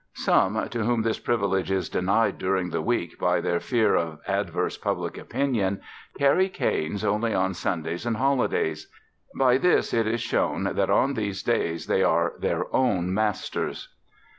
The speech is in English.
Some, to whom this privilege is denied during the week by their fear of adverse public opinion, carry canes only on Sundays and holidays. By this it is shown that on these days they are their own masters.